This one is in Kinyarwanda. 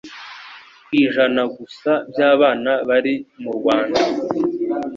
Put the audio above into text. kw'ijana gusa by'abana bari mu Rwanda